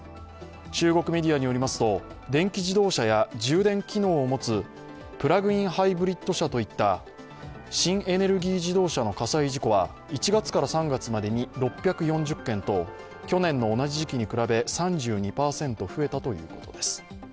中国メディアによりますと、電気自動車や充電機能を持つプラグインハイブリッド車といった新エネルギー自動車の火災事故は１月から３月までに６４０件と去年の同じ時期に比べ３２％増えたということです。